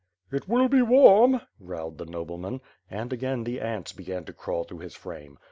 "It will be warm," growled the nobleman, and, again the ants began to crawl through his frame.